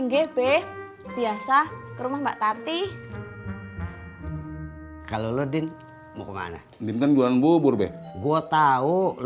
mulheres itu harus keras banget kalo gue bayaran nggak ke waktunya